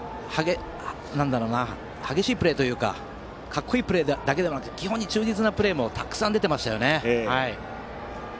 激しいプレーというか格好いいプレーだけじゃなくて基本に忠実なプレーがたくさん出ていましたよね。